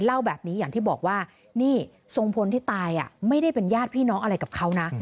เล่าแบบนี้อย่างที่บอกว่านี่ทรงพลที่ตายไม่ได้เป็นญาติพี่น้องอะไรกับเขานะ